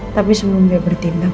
tapi sebelum dia bertindak